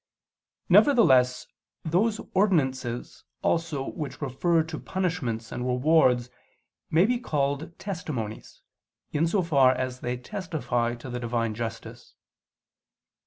Nevertheless those ordinances also which refer to punishments and rewards may be called "testimonies," in so far as they testify to the Divine justice.